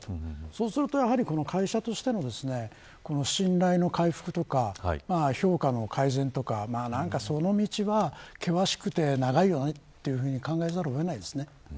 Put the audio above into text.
そうするとやはり会社としての信頼の回復とか評価の改善とかその道は険しくて長いよねというふうに考えざるを得ないですね。